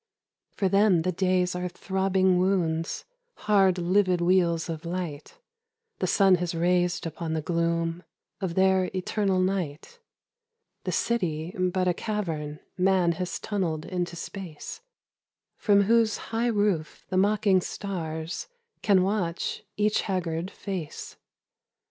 For them the days are throbbing wounds, Hard livid weals of light The sun has raised upon the gloom Of their eternal night ; The city but a cavern, Man Has tunnelled into space, From whose high roof the mocking stars Can watch each haggard face.